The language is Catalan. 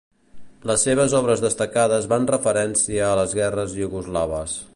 Les seves obres destacades van referència a les guerres iugoslaves.